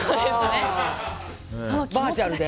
バーチャルで。